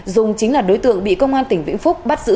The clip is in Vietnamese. dung chính là đối tượng bị công an tỉnh vĩnh phúc bắt giữ